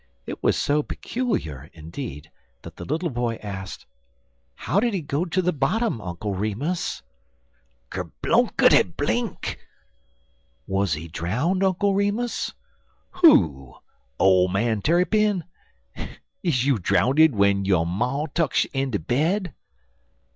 It was so peculiar, indeed, that the little boy asked: "How did he go to the bottom, Uncle Remus?" "Kerblunkity blink!" "Was he drowned, Uncle Remus?" "Who? Ole man Tarrypin? Is you drowndid w'en yo' ma tucks you in de bed?"